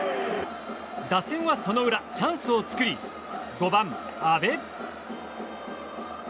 打線はその裏、チャンスを作り５番、阿部。